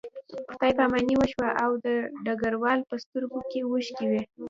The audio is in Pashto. خدای پاماني وشوه او د ډګروال په سترګو کې اوښکې وې